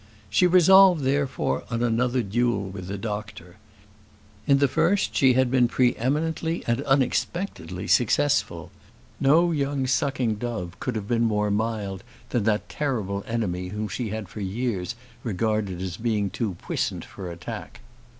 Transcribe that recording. She resolved, therefore, on another duel with the doctor. In the first she had been pre eminently and unexpectedly successful. No young sucking dove could have been more mild than that terrible enemy whom she had for years regarded as being too puissant for attack.